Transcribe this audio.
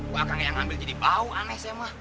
wah kayaknya yang ngambil jadi bau aneh saya mah